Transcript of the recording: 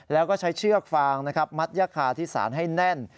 แล้วก็ใช้เชือกฟางมัดยากคาที่สานให้แน่น